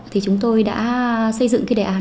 thì chúng tôi đã xây dựng cái đề án